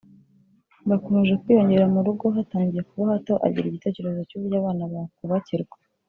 Bakomeje kwiyongera mu rugo hatangiye kuba hato agira igitekerezo cy’uburyo abana bakubakirwa